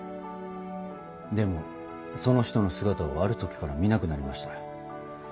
でもその人の姿はある時から見なくなりました。